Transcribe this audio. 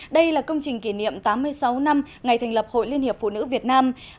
đây là công trình kỷ niệm tám mươi sáu năm ngày thành lập hội liên hiệp phụ nữ việt nam